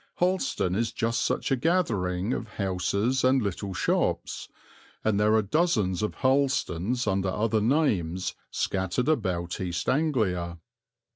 Harleston is just such a gathering of houses and little shops, and there are dozens of Harlestons under other names scattered about East Anglia.